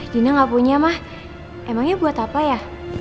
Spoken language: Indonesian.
dina gak punya mah emangnya buat apa ya